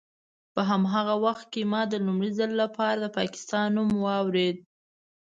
په هماغه وخت کې ما د لومړي ځل لپاره د پاکستان نوم واورېد.